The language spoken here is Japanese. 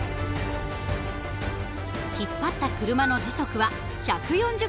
引っ張った車の時速は１４０ｋｍ。